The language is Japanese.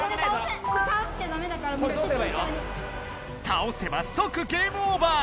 たおせばそくゲームオーバー。